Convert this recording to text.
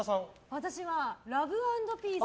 私は、ラブ＆ピース。